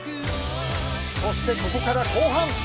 そしてここから後半。